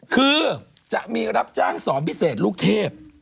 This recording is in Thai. คือจะมีรับจ้างสอนพิเศษลูกเทพ